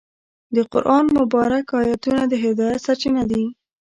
د قرآن مبارکه آیتونه د هدایت سرچینه دي.